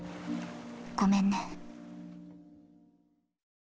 ごめんね。